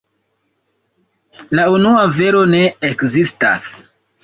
La unua vero ne ekzistas.